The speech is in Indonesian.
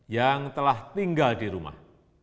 yang telah tinggal di rumah